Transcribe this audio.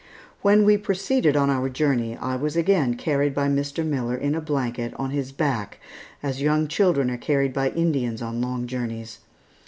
When we proceeded on our journey, I was again carried by Mr. Miller in a blanket on his back as young children are carried by Indians on long journeys.